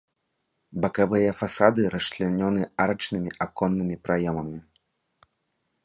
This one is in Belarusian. Бакавыя фасады расчлянёны арачнымі аконнымі праёмамі.